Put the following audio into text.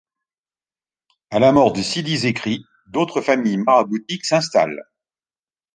À la mort de Sidi Zekri, d'autres familles maraboutiques s’installent.